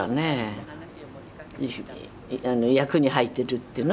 役に入ってるっていうの？